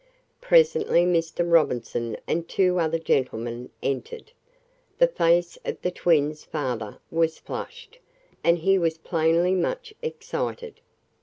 Presently Mr. Robinson and two other gentlemen entered. The face of the twins' father was flushed, and he was plainly much excited.